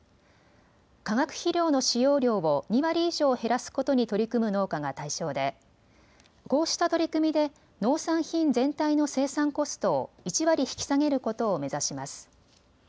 化学肥料の使用量を２割以上減らすことに取り組む農家が対象でこうした取り組みで農産品全体の生産コストを１割引き下げることを目指します。